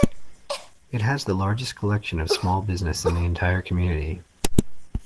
It has the largest collection of small business in the entire community.